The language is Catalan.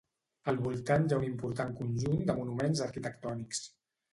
Al voltant hi ha un important conjunt de monuments arquitectònics.